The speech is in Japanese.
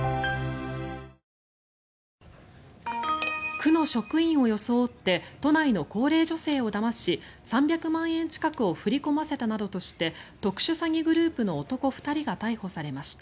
区の職員を装って都内の高齢女性をだまし３００万円近くを振り込ませたなどとして特殊詐欺グループの男２人が逮捕されました。